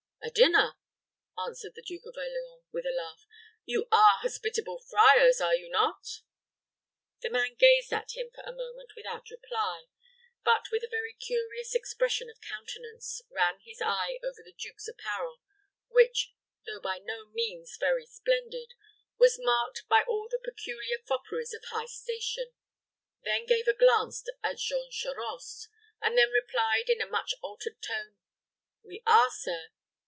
"A dinner," answered the Duke of Orleans, with a laugh. "You are hospitable friars, are you not?" The man gazed at him for a moment without reply, but with a very curious expression of countenance, ran his eye over the duke's apparel, which, though by no means very splendid, was marked by all the peculiar fopperies of high station; then gave a glance at Jean Charost, and then replied, in a much altered tone, "We are, sir.